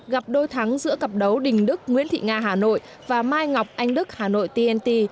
gặp đôi thắng giữa cặp đấu đình đức nguyễn thị nga hà nội và mai ngọc anh đức hà nội tnt